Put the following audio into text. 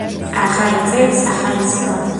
ახალი წელი სახალისოა